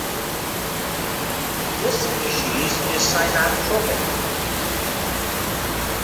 This species is synanthropic.